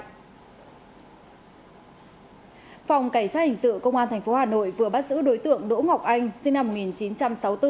phòng cảnh sát hình sự công an tp hà nội vừa bắt giữ đối tượng đỗ ngọc anh sinh năm một nghìn chín trăm sáu mươi bốn